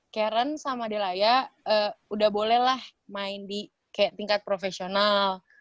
karen sama delaya udah bolehlah main di tingkat profesional